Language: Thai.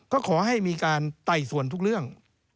ก็ขอให้มีการไต่สวนทุกเรื่อง